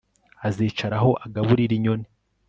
Azicara aho agaburira inyoni